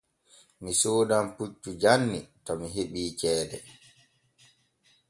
Mi soodan puccu janni to mi heɓii ceede.